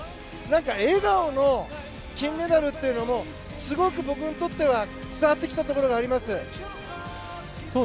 笑顔の金メダルというのもすごく僕にとっては伝わってきたところがあります。